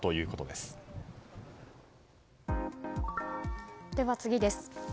では次です。